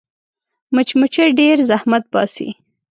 مچمچۍ ډېر زحمت باسي